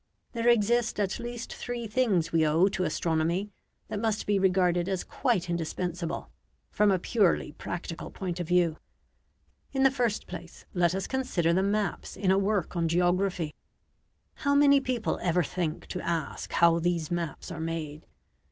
There exist at least three things we owe to astronomy that must be regarded as quite indispensable, from a purely practical point of view. In the first place, let us consider the maps in a work on geography. How many people ever think to ask how these maps are made?